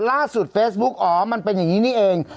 เฟซบุ๊คอ๋อมันเป็นอย่างนี้นี่เอง